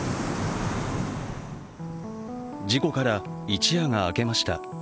事故から一夜が明けました。